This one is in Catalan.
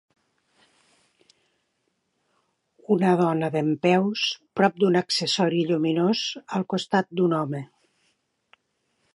Una dona dempeus prop d'un accessori lluminós al costat d'un home.